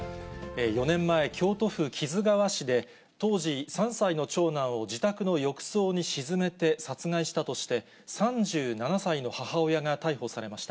４年前、京都府木津川市で、当時３歳の長男を自宅の浴槽に沈めて殺害したとして、３７歳の母親が逮捕されました。